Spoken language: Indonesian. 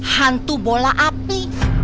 hantu bola api